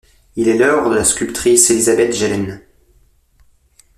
Il est l'œuvre de la sculptrice Elizabeth Jelen.